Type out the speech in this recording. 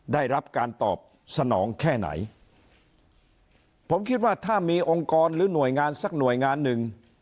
ได้รับการตอบสนองแค่ไหนผมคิดว่าถ้ามีองค์กรหรือหน่วยงานสักหน่วยงานหนึ่ง